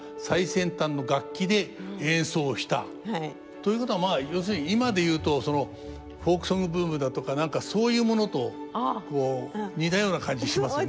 ということはまあ要するに今で言うとそのフォークソングブームだとか何かそういうものとこう似たような感じしますね。